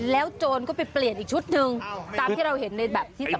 โจรก็ไปเปลี่ยนอีกชุดหนึ่งตามที่เราเห็นในแบบที่สำคัญ